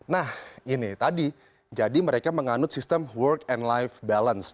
nah ini tadi jadi mereka menganut sistem work and life balance